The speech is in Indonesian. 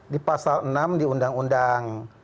di pasal enam di undang undang